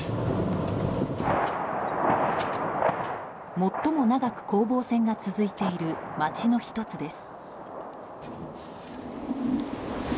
最も長く攻防戦が続いている街の１つです。